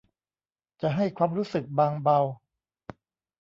จะให้ความรู้สึกบางเบา